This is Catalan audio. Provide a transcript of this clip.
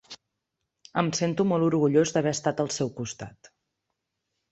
Em sento molt orgullós d'haver estat al seu costat.